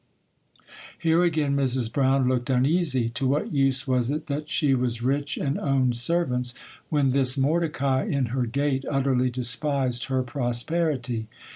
Here, again, Mrs. Brown looked uneasy. To what use was it that she was rich and owned servants, when this Mordecai in her gate utterly despised her prosperity?